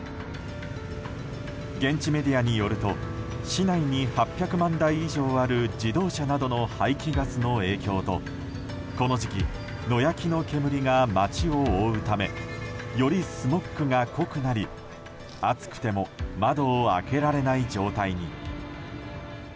現地メディアによると市内に８００万台以上ある自動車などの排気ガスの影響とこの時期、野焼きの煙が街を覆うためよりスモッグが濃くなり暑くても窓を開けられない状態に。